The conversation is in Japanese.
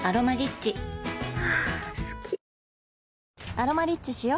「アロマリッチ」しよ